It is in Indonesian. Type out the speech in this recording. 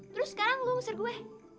terus sekarang lo ngusir gue